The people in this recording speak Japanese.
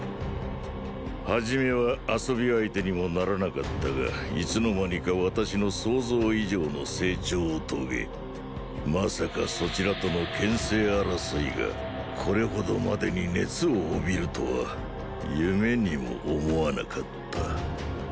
初めは遊び相手にもならなかったがいつの間にか私の想像以上の成長をとげまさかそちらとの権勢争いがこれほどまでに熱を帯びるとは夢にも思わなかった。